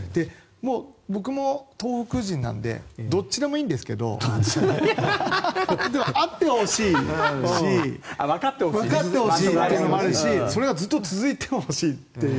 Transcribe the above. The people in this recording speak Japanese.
僕も東北人なのでどっちでもいいんですけどあってはほしいしわかってほしいのもあるしそれがずっと続いてほしいっていう。